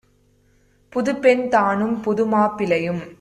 புதுப்பெண் தானும் புதுமாப் பிளையும்